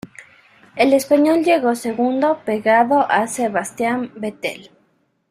El español llegó segundo, pegado a Sebastian Vettel.